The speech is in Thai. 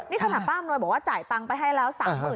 นี่ขณะป้าอำนวยบอกว่าจ่ายตังค์ไปให้แล้ว๓๐๐๐